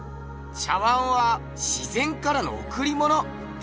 茶碗は自然からのおくりものってか？